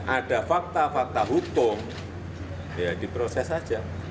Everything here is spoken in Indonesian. ada fakta fakta hukum ya diproses saja